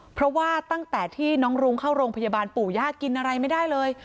เพราะว่าตั้งแต่ที่น้องรุ้งเข้าโรงพยาบาลปู่ย่ากินอะไรไม่ได้เลย